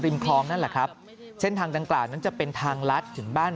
คลองนั่นแหละครับเส้นทางดังกล่าวนั้นจะเป็นทางลัดถึงบ้าน